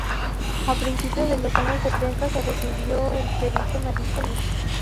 A principios de los años setenta se recibió de perito mercantil.